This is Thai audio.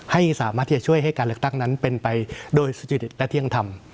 ให้สามารถที่จะช่วยให้การเลือกตั้งนั้นเป็นไปโดยสุจริตและเที่ยงธรรม